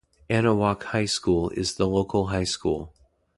Anahuac High School is the local high school.